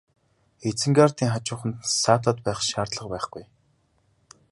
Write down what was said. Изенгардын хажууханд саатаад байх шаардлага байхгүй.